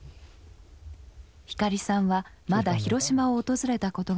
光さんはまだ広島を訪れたことがありません。